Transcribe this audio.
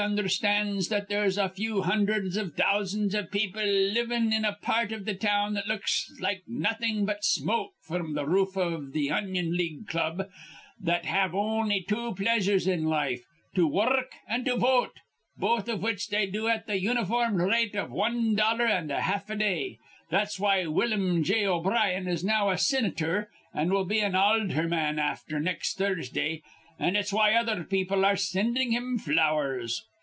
undherstands that there's a few hundherds iv thousands iv people livin' in a part iv th' town that looks like nawthin' but smoke fr'm th' roof iv th' Onion League Club that have on'y two pleasures in life, to wurruk an' to vote, both iv which they do at th' uniform rate iv wan dollar an' a half a day. That's why Willum J. O'Brien is now a sinitor an' will be an aldherman afther next Thursdah, an' it's why other people are sinding him flowers.